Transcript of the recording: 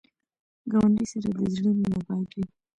ګاونډي سره د زړه مینه باید وي